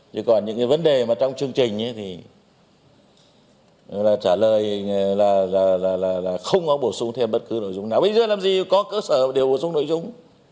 chứ còn những cái vấn đề mà trong chương trình thì trả lời là không có bổ sung thêm bất cứ nội dung nào bây giờ làm gì có cơ sở đều bổ sung nội dung